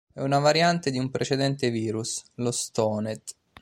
È una variante di un precedente virus, lo Stoned.